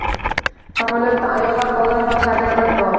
Samolyotda ayollar, bolalar va qariyalar bor